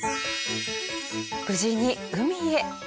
無事に海へ。